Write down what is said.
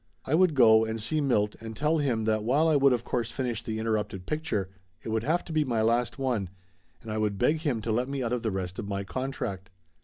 I would go and see Milt and tell him that while I would of course finish the interrupted picture, it would have to be my last one, and I would beg him to let me out of the rest of my contract.